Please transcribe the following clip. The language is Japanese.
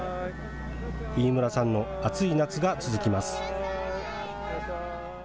飯村さんの暑い夏が続きます。